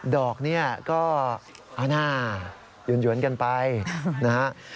ดอกเนี่ยก็เอาหน้าหยวนกันไปนะฮะ